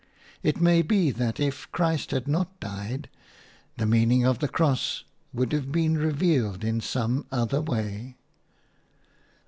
It may be that if Christ had not died, the meaning of the cross would have been revealed in some other way.